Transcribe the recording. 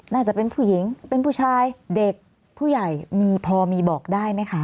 น่าจะเป็นผู้หญิงเป็นผู้ชายเด็กผู้ใหญ่มีพอมีบอกได้ไหมคะ